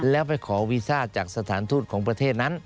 แล้วไปขอวีซ่าจากสถานทูตของประเทศนั้น